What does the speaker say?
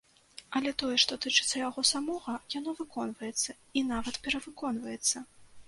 Але тое, што тычыцца яго самога, яно выконваецца і нават перавыконваецца.